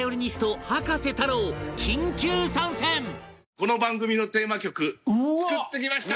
この番組のテーマ曲作ってきました！